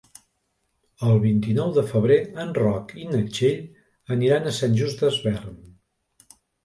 El vint-i-nou de febrer en Roc i na Txell aniran a Sant Just Desvern.